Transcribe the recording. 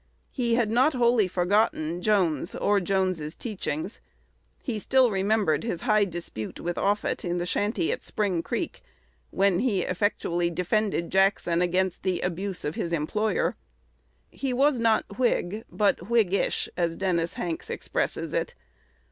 He had not wholly forgotten Jones, or Jones's teachings. He still remembered his high disputes with Offutt in the shanty at Spring Creek, when he effectually defended Jackson against the "abuse" of his employer. He was not Whig, but "Whiggish," as Dennis Hanks expresses it.